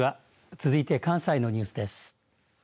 続いて関西のニュースです。